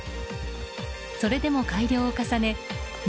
それでも改良を重ね